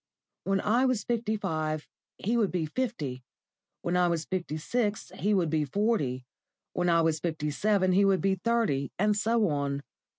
When I was fifty five he would be fifty; when I was fifty six he would be forty; when I was fifty seven he would be thirty, and so on.